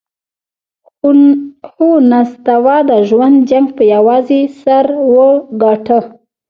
هو، نستوه د ژوند جنګ پهٔ یوازې سر وګاټهٔ!